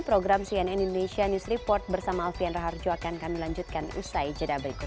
program cnn indonesia news report bersama alfian raharjo akan kami lanjutkan usai jeda berikut